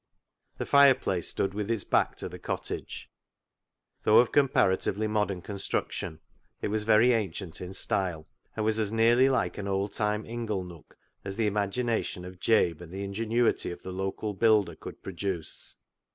The fireplace stood with its back to the cottage. Though of comparatively modern construction it was very ancient in style, and was as nearly like an oldtime ingle nook as the imagination of Jabe and the ingenuity of the local builder could produce.